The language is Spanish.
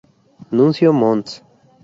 Nuncio Mons.